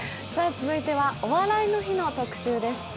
続いては「お笑いの日」の特集です。